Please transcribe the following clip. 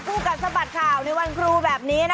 ขู่กัฎสะบัดข่าวในวันครูแบบนี้นะคะ